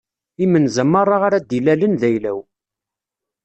Imenza meṛṛa ara d-ilalen d ayla-w.